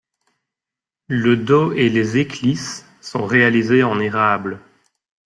Le dos et les éclisses sont réalisés en érable.